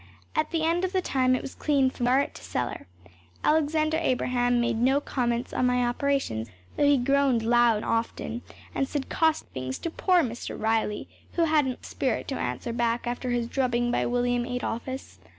At the end of the time it was clean from garret to cellar. Alexander Abraham made no comments on my operations, though he groaned loud and often, and said caustic things to poor Mr. Riley, who hadn’t the spirit to answer back after his drubbing by William Adolphus.